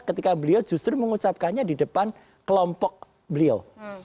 ketika beliau justru mengucapkannya di depan kelompok beliau